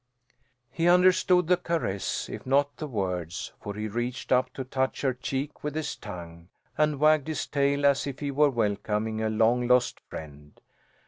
He understood the caress, if not the words, for he reached up to touch her cheek with his tongue, and wagged his tail as if he were welcoming a long lost friend.